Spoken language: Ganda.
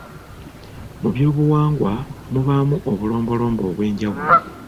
Mu by'obuwangwa mubaamu obulombolombo obw'enjawulo